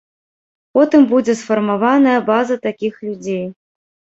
Потым будзе сфармаваная база такіх людзей.